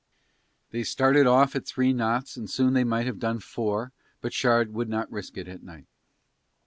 They started off at three knots and soon they might have done four but Shard would not risk it at night.